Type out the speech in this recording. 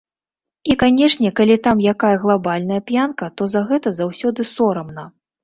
І, канешне, калі там якая глабальная п'янка, то за гэта заўсёды сорамна.